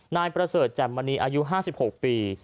นายประเสริฐแจ่มมณีอายุ๕๖ปี